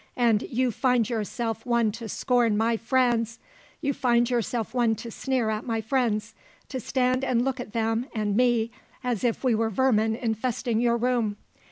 And you find yourself one to scorn my Franz! You find yourself one to sneer at my friends, to stand and look at them and me as if we were vermin infesting your room!